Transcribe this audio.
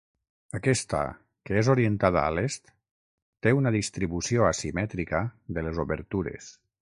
Aquesta, que és orientada a l'est, té una distribució asimètrica de les obertures.